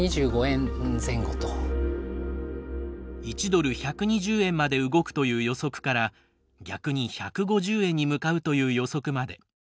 １ドル＝１２０円まで動くという予測から逆に１５０円に向かうという予測まで。